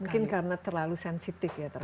mungkin karena terlalu sensitif ya terhadap ini